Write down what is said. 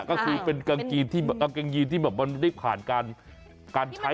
ก็คือเป็นกางเกงยีนที่รีบผ่านการใช้